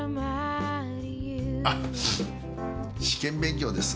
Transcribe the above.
あっ試験勉強です。